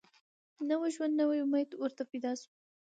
نوی ژوند نوی امید ورته پیدا سو